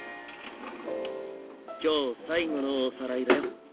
今日最後のおさらいだよ。